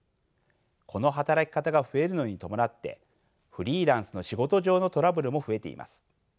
この働き方が増えるのに伴ってフリーランスの仕事上のトラブルも増えています。